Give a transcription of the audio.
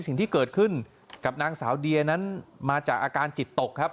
สิ่งที่เกิดขึ้นกับนางสาวเดียนั้นมาจากอาการจิตตกครับ